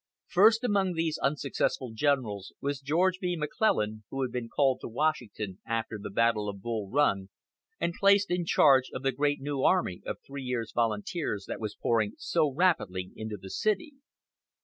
First among these unsuccessful generals was George B. McClellan, who had been called to Washington after the battle of Bull Run and placed in charge of the great new army of three years' volunteers that was pouring so rapidly into the city.